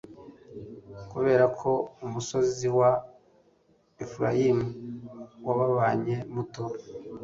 kubera ko umusozi wa efurayimu wababanye muto